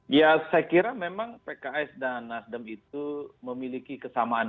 ya saya kira memang pks dan nasdem itu memiliki kesamaan